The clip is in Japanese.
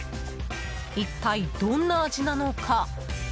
一体、どんな味なのか。